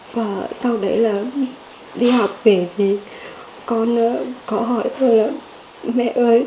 và sau đấy là đi học về thì con có hỏi tôi là mẹ ơi